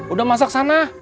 udah masak sana